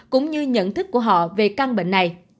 cũng như nhận thức của họ về căn bệnh này